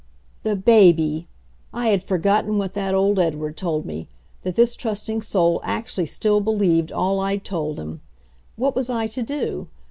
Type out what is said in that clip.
The baby! I had forgotten what that old Edward told me that this trusting soul actually still believed all I'd told him. What was I to do?